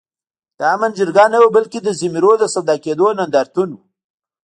د آمن جرګه نه وه بلکي د ضمیرونو د سودا کېدو نندارتون وو